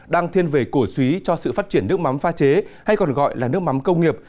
đang thiên về cổ suý cho sự phát triển nước mắm pha chế hay còn gọi là nước mắm công nghiệp